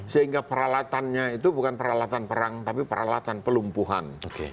sehingga peralatannya itu bukan peralatan perang tapi peralatan pelumpuhan